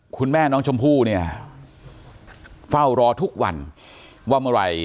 คุณแม่น้องชมพู่เนี่ยเฝ้ารอทุกวันว่าเมื่อไหร่